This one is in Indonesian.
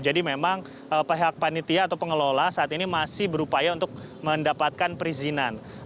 jadi memang pihak panitia atau pengelola saat ini masih berupaya untuk mendapatkan perizinan